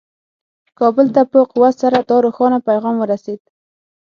کابل ته په قوت سره دا روښانه پیغام ورسېد.